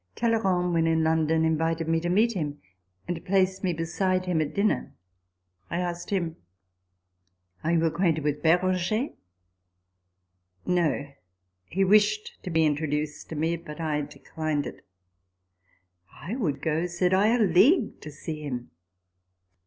Talleyrand (when in London) invited me to meet him, and placed me beside him at dinner. I asked him, " Are you acquainted with Beranger ?"" No ; he wished to be introduced to me, but I declined it." " I would go," said I, " a league to see him."